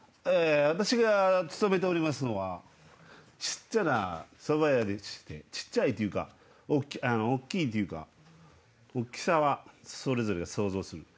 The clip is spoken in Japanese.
私が勤めておりますのは小っちゃなそば屋でして小っちゃいというか大き大きいというか大きさはそれぞれ想像する。